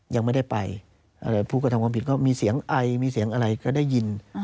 ยังไม่ได้ไปผู้กระทำความผิดก็มีเสียงไอมีเสียงอะไรก็ได้ยิน